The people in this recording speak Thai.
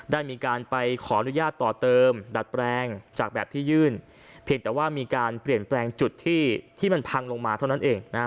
ได้มีการไปขออนุญาตต่อเติมดัดแปลงจากแบบที่ยื่นเพียงแต่ว่ามีการเปลี่ยนแปลงจุดที่ที่มันพังลงมาเท่านั้นเองนะฮะ